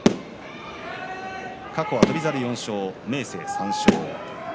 過去は翔猿４勝、明生は３勝。